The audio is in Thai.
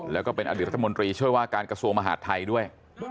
แล้วก็เป็นอดีตรัฐมนตรีช่วยว่าการกระทรวงมหาดไทยด้วย